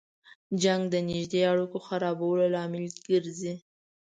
جنګ د نږدې اړیکو خرابولو لامل ګرځي.